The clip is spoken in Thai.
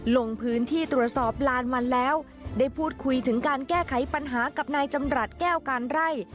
ลงพื้นที่ตรวจสอบลานมันแล้วได้พูดคุยถึงการแก้ไขปัญหากับนายจำรัฐแก้วการไร่